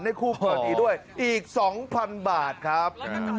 ให้คู่พื้นอีด้วยอีก๒๐๐๐บาทครับ